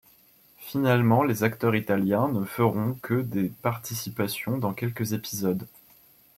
Finalement les acteurs italiens ne feront que des participations dans quelques épisodes.